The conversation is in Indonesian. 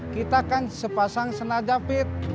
kita kan sepasang senajapit